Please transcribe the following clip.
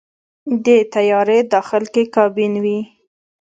د طیارې داخل کې کابین وي.